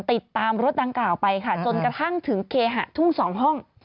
ติดตามรถดังกล่าวไปค่ะจนกระทั่งถึงเคหะทุ่งสองห้อง